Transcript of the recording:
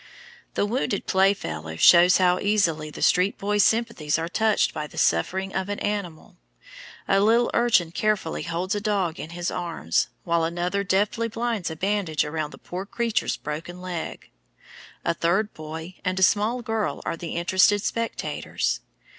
The Wounded Playfellow shows how easily the street boy's sympathies are touched by the suffering of an animal. A little urchin carefully holds a dog in his arms, while another deftly binds a bandage about the poor creature's broken leg. A third boy and a small girl are the interested spectators.